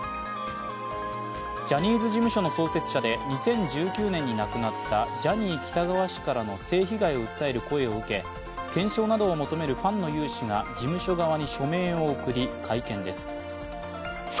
ジャニーズ事務所の創設者で２０１９年に亡くなったジャニー喜多川氏からの性被害を訴える声を受け検証などを求めるファンの有志が事務所側に署名を送り会見です。